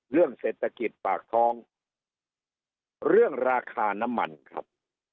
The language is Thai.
เรื่องเศรษฐกิจปากท้องเรื่องราคาน้ำมันครับ